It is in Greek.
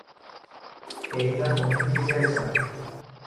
Και είδα τον Μίκη Ζέζα